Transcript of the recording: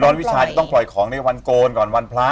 วิชาจะต้องปล่อยของในวันโกนก่อนวันพระ